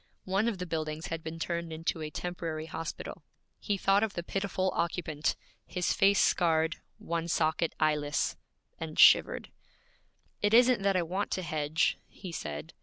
One of the buildings had been turned into a temporary hospital. He thought of the pitiful occupant his face scarred, one socket eyeless and shivered. 'It isn't that I want to hedge,' he said.